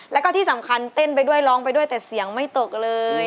แล้วก็ที่สำคัญเต้นไปด้วยร้องไปด้วยแต่เสียงไม่ตกเลย